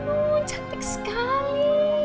aduh cantik sekali